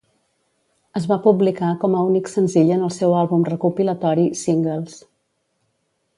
Es va publicar com a únic senzill en el seu àlbum recopilatori "Singles".